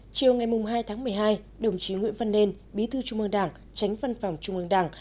chiều ngày hai tháng một mươi hai đồng chí nguyễn văn nên bí thư trung ương đảng tránh văn phòng trung ương đảng